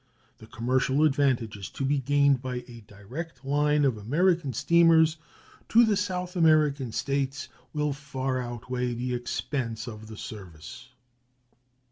The commercial advantages to be gained by a direct line of American steamers to the South American States will far outweigh the expense of the service.